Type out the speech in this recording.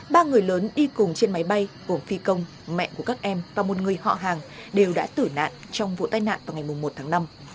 ba người lớn đi cùng trên máy bay gồm phi công mẹ của các em và một người họ hàng đều đã tử nạn trong vụ tai nạn vào ngày một tháng năm